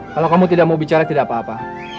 kalau kamu tidak mau bicara tidak apa apa